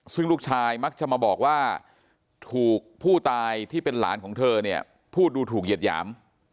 ซึ่งลูกชายมักจะมาบอกว่าถูกผู้ตายที่เป็นหลานของเธอเนี่ยพูดดูถูกเหยียดหยาม